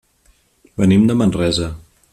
Venim de Manresa.